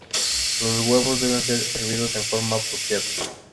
Los huevos deben ser hervidos en forma apropiada.